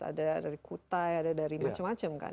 ada dari kutai ada dari macam macam kan